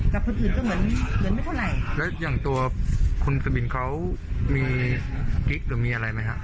แต่คนอื่นก็เหมือนเหมือนไม่เท่าไหร่แล้วอย่างตัวคุณกะบินเขามีกิ๊กหรือมีอะไรไหมฮะ